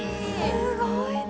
すごいね。